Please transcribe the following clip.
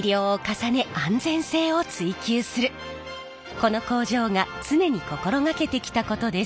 この工場が常に心掛けてきたことです。